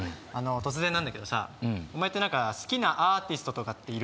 突然なんだけどさお前ってなんか好きなアーティストとかっているの？